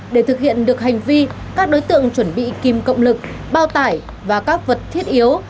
để thực hiện được hành vi các đối tượng chuẩn bị kim cộng lực bao tải và các vật thiết yếu